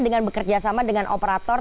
dengan bekerja sama dengan operator